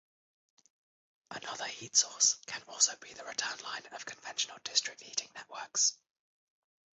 Another heat source can also be the return line of conventional district heating networks.